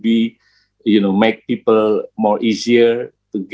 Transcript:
itu akan membuat orang orang lebih mudah